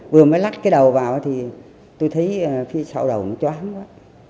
vừa mới lách cái đầu vào thì tôi thấy phía sau đầu nó choáng quá